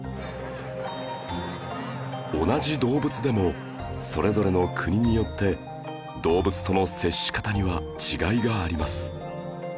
同じ動物でもそれぞれの国によって動物との接し方には違いがあります